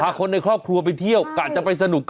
คนในครอบครัวไปเที่ยวกะจะไปสนุก